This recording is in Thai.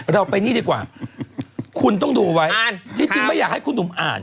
เราไปนี่ดีกว่าคุณต้องดูไว้อ่านที่จริงไม่อยากให้คุณหนุ่มอ่าน